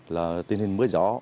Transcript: là tình hình mưa gió